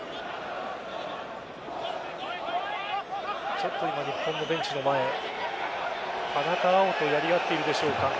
ちょっと今、日本のベンチの前田中碧とやり合っているでしょうか。